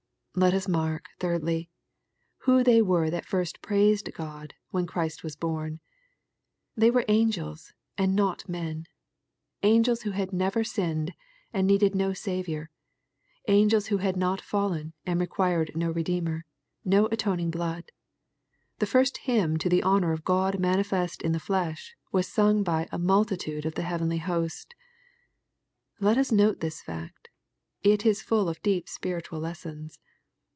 Let us mark, thirdly, who they were that first praised Gody when Christ was horn. They were angels, and not men, — angels who had never sinned, and needed no Saviour, — angels who had not fallen, and required no redeemer, and no atoning blood. The first hymn to the honor of " God manifest in the flesh,'' was sung by " a multitude of the heavenly host." Let us note this fact. It is full of deep spiritual lessons.